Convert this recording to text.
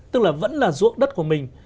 tức là vẫn là ruộng đất của mình